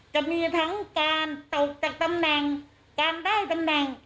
จะมีทั้งการตกจากตำแหน่งการได้ตำแหน่ง